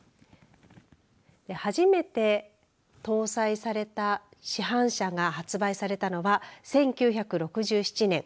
初めて搭載された市販車が発売されたのは１９６７年